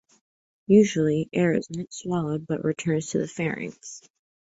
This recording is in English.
Usually, air is not swallowed but returns to the pharynx.